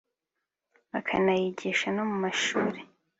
bakanayigisha no mu mashuri